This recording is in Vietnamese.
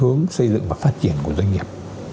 hướng xây dựng và phát triển của doanh nghiệp